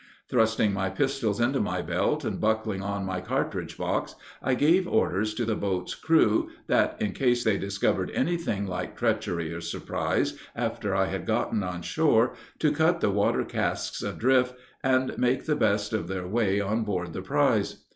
Thrusting my pistols into my belt, and buckling on my cartridge box, I gave orders to the boats' crew, that, in case they discovered any thing like treachery or surprise, after I had gotten on shore, to cut the water casks adrift, and make the best of their way on board the prize.